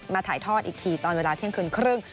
ถ่ายทอดอีกทีตอนเวลาเที่ยงคืนครึ่ง